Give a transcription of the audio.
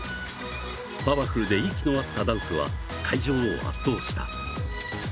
パワフルで息の合ったダンスは会場を圧倒した。